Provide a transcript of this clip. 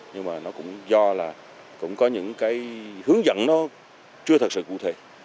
nhưng mà nó cũng do là cũng có những cái hướng dẫn nó chưa thật sự cụ thể